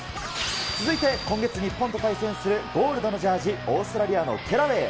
続いて今月日本と対戦するゴールドのジャージ、オーストラリアのケラウェイ。